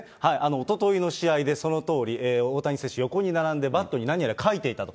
おとといの試合で、そのとおり、大谷選手、横に並んでバットに何やら書いていたと。